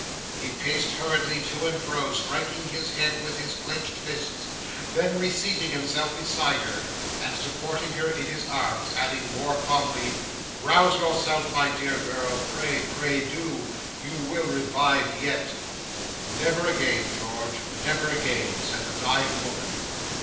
He paced hurriedly to and fro, striking his head with his clenched fists; then reseating himself beside her, and supporting her in his arms, added more calmly, "Rouse yourself, my dear girl. Pray, pray do. You will revive yet." '"Never again, George; never again," said the dying woman.